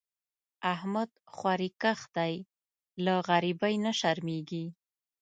احمد خواریکښ دی؛ له غریبۍ نه شرمېږي.